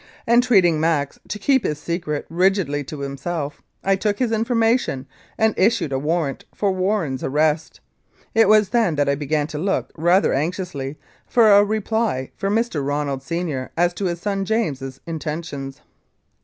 Entreating Max to keep his secret rigidly to himself, I took his information and issued a warrant for Warren's arrest. It was then that I began to look rather anxiously for a reply from Mr. Ronald, Senior, as to his son James's inten tions.